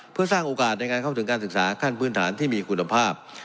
เพื่อสร้างโอกาสในการเข้าถึงการศึกษาขั้นพื้นฐานที่มีคุณภาพ